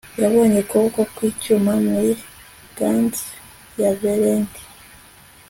Yabonye ukuboko kwicyuma muri gants ya veleti